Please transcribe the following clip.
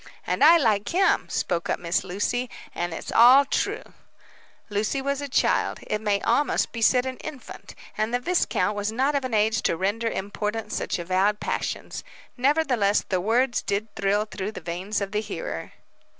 "And I like him," spoke up Miss Lucy. "And it's all true." Lucy was a child it may almost be said an infant and the viscount was not of an age to render important such avowed passions. Nevertheless, the words did thrill through the veins of the hearer.